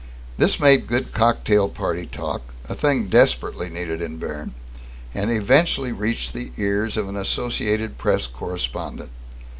This made good cocktail party talk, a thing desperately needed in Berne, and eventually reached the ears of an Associated Press correspondent.